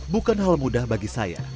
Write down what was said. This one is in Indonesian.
bukan hal mudah bagi saya